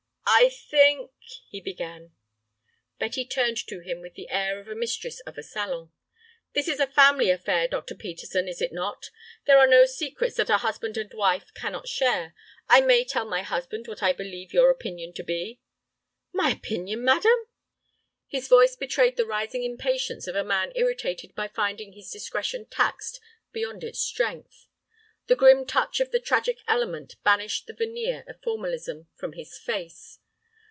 "I think," he began— Betty turned to him with the air of a mistress of a salon. "This is a family affair, Dr. Peterson, is it not? There are no secrets that a husband and wife cannot share. I may tell my husband what I believe your opinion to be?" "My opinion, madam!" His voice betrayed the rising impatience of a man irritated by finding his discretion taxed beyond its strength. The grim touch of the tragic element banished the veneer of formalism from his face.